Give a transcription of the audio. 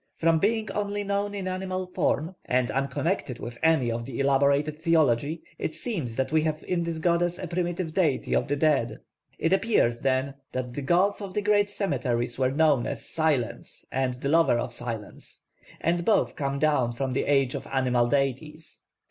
From being only known in animal form, and unconnected with any of the elaborated theology, it seems that we have in this goddess a primitive deity of the dead. It appears, then, that the gods of the great cemeteries were known as Silence and the Lover of Silence, and both come down from the age of animal deities.